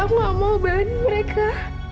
aku enggak mau berani mereka